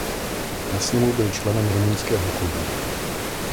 Na sněmu byl členem Rumunského klubu.